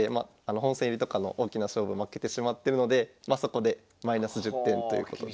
本戦入りとかの大きな勝負負けてしまってるのでそこでマイナス１０点ということで。